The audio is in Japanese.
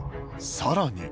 さらに